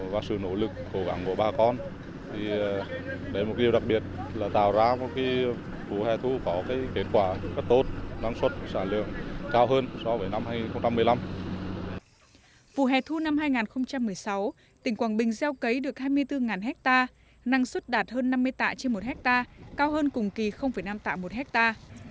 vụ hẻ thu năm hai nghìn một mươi sáu tỉnh quảng bình gieo cấy được hai mươi bốn hectare năng suất đạt hơn năm mươi tạ trên một hectare cao hơn cùng kỳ năm tạ một hectare